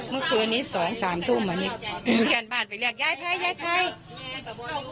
เมื่อคืนนี้สองสามทุ่มวันนี้ที่อันบ้านไปเรียกยายใคร